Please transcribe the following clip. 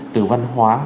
từ văn hóa